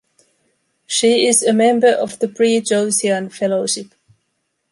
She is a member of the Pre-Joycean Fellowship.